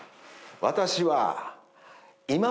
私は。